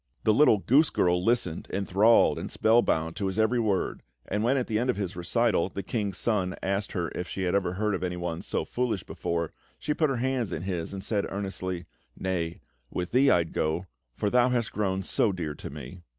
The little goose girl listened, enthralled and spellbound, to his every word; and when, at the end of his recital, the King's Son asked her if she had ever heard of anyone so foolish before, she put her hands in his and said earnestly: "Nay; with thee I'd go, for thou hast grown so dear to me!"